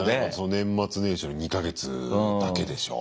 年末年始の２か月だけでしょ。